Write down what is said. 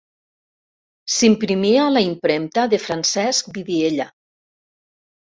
S'imprimia a la impremta de Francesc Vidiella.